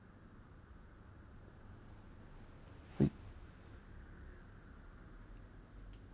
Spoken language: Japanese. はい。